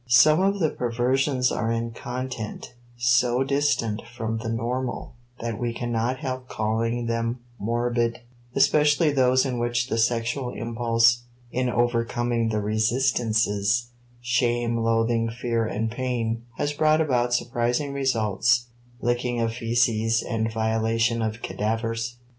Some of the perversions are in content so distant from the normal that we cannot help calling them "morbid," especially those in which the sexual impulse, in overcoming the resistances (shame, loathing, fear, and pain) has brought about surprising results (licking of feces and violation of cadavers).